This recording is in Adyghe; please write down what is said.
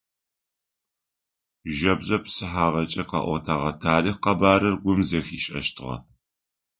Жэбзэ псыхьагъэкӏэ къэӏотэгъэ тарихъ къэбарыр гум зэхишӏэщтыгъэ.